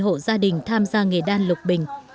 ba mươi hộ gia đình tham gia nghề đan lục bình